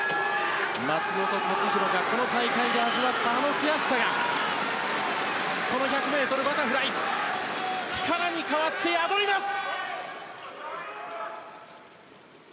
松元克央がこの大会で味わったあの悔しさがこの１００ｍバタフライ力に変わって、宿ります！